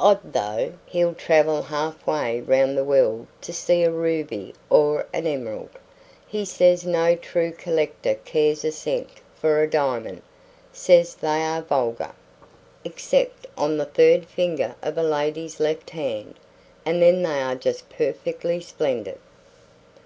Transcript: Odd, though; he'll travel halfway round the world to see a ruby or an emerald. He says no true collector cares a cent for a diamond. Says they are vulgar." "Except on the third finger of a lady's left hand; and then they are just perfectly splendid!"